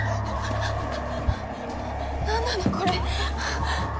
何なのこれ。